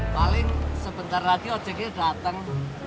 paling sebentar lagi ojeknya datang